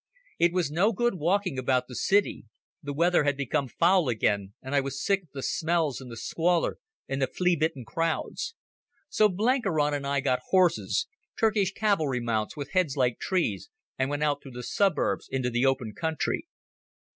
It was no good walking about the city. The weather had become foul again, and I was sick of the smells and the squalor and the flea bitten crowds. So Blenkiron and I got horses, Turkish cavalry mounts with heads like trees, and went out through the suburbs into the open country.